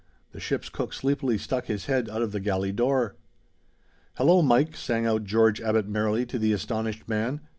The ship's cook sleepily stuck his head out of the galley door. "Hullo, Mike," sang out George Abbot merrily to the astonished man.